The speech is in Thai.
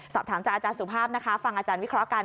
สอบถามจากอาจารย์สุภาพนะคะฟังอาจารย์วิเคราะห์กัน